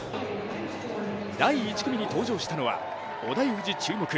第１組に登場したのは織田裕二注目